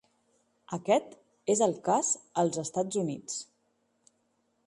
Aquest és el cas als Estats Units.